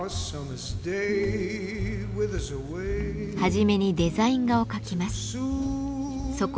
初めにデザイン画を描きます。